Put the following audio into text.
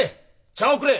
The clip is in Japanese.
茶をくれ！